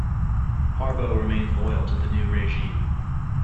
Harbou remained loyal to the new regime.